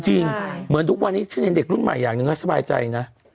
เหมือนทุกวันนี้ฉันเห็นเด็กรุ่นใหม่อย่างหนึ่งก็สบายใจนะ